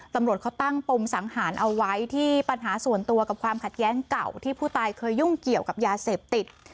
ตำรวจเขาตั้งปมสังหารเอาไว้ที่ปัญหาส่วนตัวกับความขัดแย้งเก่าที่ผู้ตายเคยยุ่งเกี่ยวกับยาเสพติด